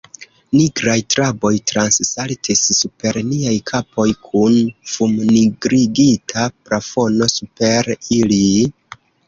Nigraj traboj transsaltis super niaj kapoj, kun fumnigrigita plafono super ili...